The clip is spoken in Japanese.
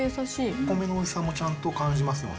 お米のおいしさもちゃんと感じますね。